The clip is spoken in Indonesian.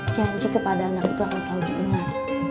janji kepada anak itu akan selalu diingat